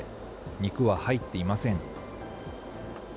肉は入っていません。